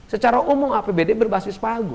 secara umum apbd berbasis pago